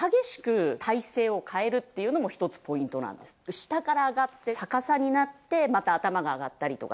下から上がって逆さになってまた頭が上がったりとか。